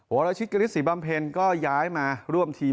โหรภิริชกะฤษฎีบรรเภณก็ย้ายมาร่วมทีม